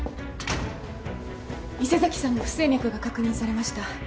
伊勢崎さんの不整脈が確認されました。